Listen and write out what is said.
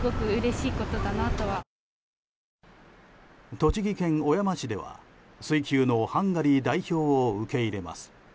栃木県小山市では、水球のハンガリー代表を受け入れます。